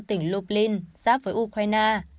tỉnh lublin giáp với ukraine